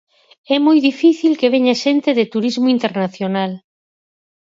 É moi difícil que veña xente de turismo internacional.